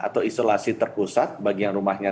atau isolasi terpusat bagi yang rumahnya